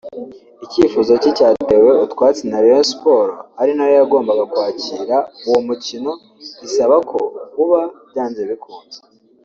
Icyifuzo cye cyatewe utwatsi na Rayon Sports ari nayo yagombaga kwakira uwo mukino isaba ko uba byanze bikunze